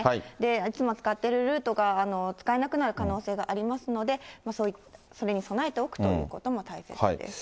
いつも使ってるルートが使えなくなる可能性がありますので、それに備えておくということも大切です。